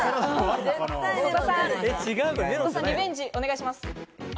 曽田さん、リベンジお願いします。